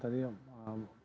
tadi saya lupa sebutkan tadi